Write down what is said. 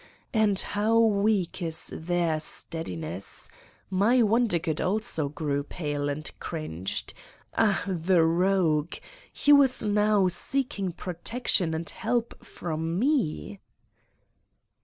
And how weak is their steadiness: My Wondergood also grew pale and cringed ... ah, the rogue! He was now seeking protection and help from Me